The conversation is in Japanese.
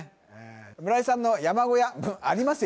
村井さんの山小屋ありますよ